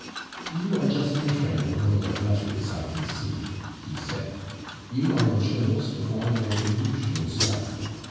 "You are just entering the world of letters, I can see," he said. "You are a journalist with all your illusions left.